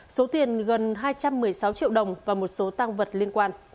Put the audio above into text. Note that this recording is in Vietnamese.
số tiền gần hai trăm một mươi sáu triệu đồng và một số tăng vật liên quan